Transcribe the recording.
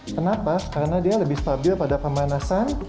kenapa karena dia lebih stabil pada pemanasan